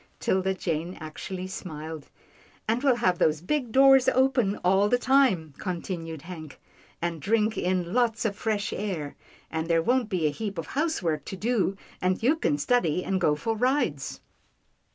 'Tilda Jane actually smiled. " And we'll have these big doors open all the time," continued Hank, " and drink in lots of fresh air, and there won't be a heap of housework to do, and you can study and go for rides."